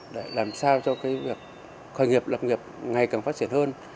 để làm sao cho việc khởi nghiệp lập nghiệp ngày càng phát triển hơn